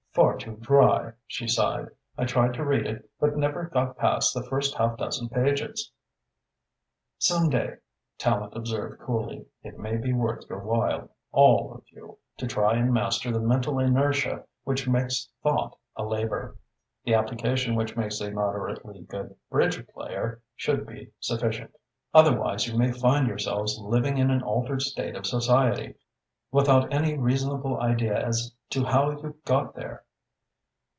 "Far too dry," she sighed. "I tried to read it but I never got past the first half dozen pages." "Some day," Tallente observed coolly, "it may be worth your while, all of you, to try and master the mental inertia which makes thought a labour; the application which makes a moderately good bridge player should be sufficient. Otherwise, you may find yourselves living in an altered state of Society, without any reasonable idea as to how you got there."